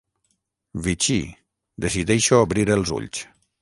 Vichy, decideixo obrir els ulls.